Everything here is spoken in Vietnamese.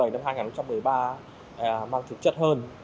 năm hai nghìn một mươi ba mang thực chất hơn